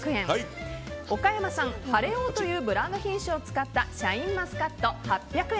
岡山産晴王というブランド品種を使ったシャインマスカット、８００円。